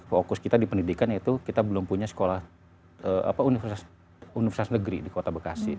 fokus kita di pendidikan yaitu kita belum punya sekolah universitas negeri di kota bekasi